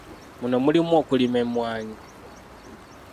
Muno mulimu okulima emmwaanyi.